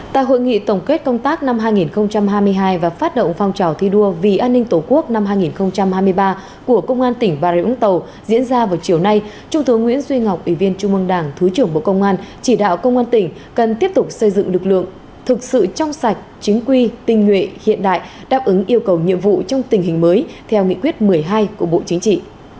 tại hội nghị tổng kết công tác năm hai nghìn hai mươi hai và phát động phong trào thi đua vì an ninh tổ quốc năm hai nghìn hai mươi ba của công an tỉnh bà rịa úng tàu diễn ra vào chiều nay trung tướng nguyễn duy ngọc ủy viên trung mương đảng thứ trưởng bộ công an chỉ đạo công an tỉnh cần tiếp tục xây dựng lực lượng thực sự trong sạch chính quy tinh nguyện hiện đại đáp ứng yêu cầu nhiệm vụ trong tình hình mới theo nghị quyết một mươi hai của bộ chính trị